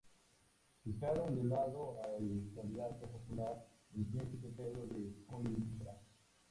Dejaron de lado al candidato popular, el príncipe Pedro de Coímbra.